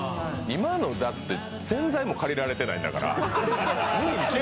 今の宣材も借りられてないんだから。